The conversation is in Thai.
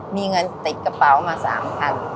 มีเงินติดกระเป๋ามาสามพัน